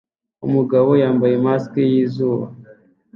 Umugabo yambaye mask yizuba